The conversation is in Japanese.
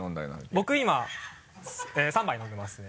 僕今３杯飲んでますね。